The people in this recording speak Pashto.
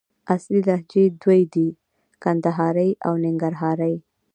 اصلي لهجې دوې دي: کندهارۍ او ننګرهارۍ